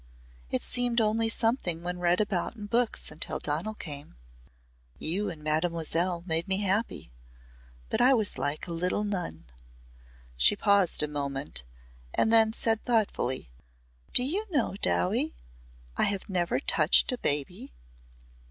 It seemed only something one read about in books until Donal came. You and Mademoiselle made me happy, but I was like a little nun." She paused a moment and then said thoughtfully, "Do you know, Dowie, I have never touched a baby?"